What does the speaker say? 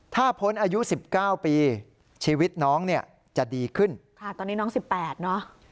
ถ้าพ้นอายุสิบเก้าปีชีวิตน้องเนี่ยจะดีขึ้นค่ะตอนนี้น้องสิบแปดเนอะ